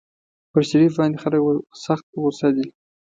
پر شریف باندې خلک سخت په غوسه دي.